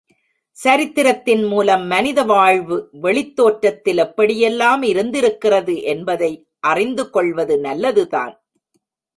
சரித்திரத்தின் மூலம் மனித வாழ்வு வெளித் தோற்றத்தில் எப்படி யெல்லாம் இருந்திருக்கிறது என்பதை அறிந்துகொள்வது நல்லதுதான்.